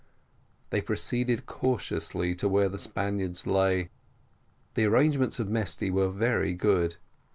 They proceeded cautiously to where the Spaniards lay. The arrangements of Mesty were very good.